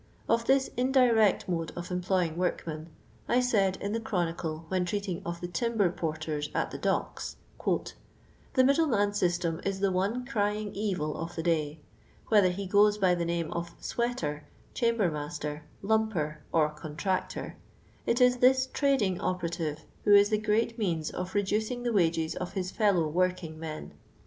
Of this indirect mode of employing workmen, I said, in the CluonicUf when treating of the timber porters at the docks :—'' The middleman system is the one crying evil of the day. Whether he goen by the name of 'sweater,' 'chamber master,' * lumper,*or contractor, it is this tradiiiy o}>ero*ir: who is the great means of reducing the wa^cs of his fallow worknig men.